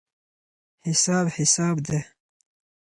حساب حساب دی.